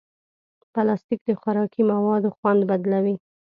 پلاستيک د خوراکي موادو خوند بدلوي.